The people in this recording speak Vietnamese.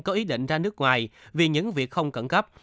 có ý định ra nước ngoài vì những việc không cẩn cấp